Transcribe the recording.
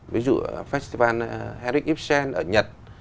ví dụ festival herrick ibsen ở nhật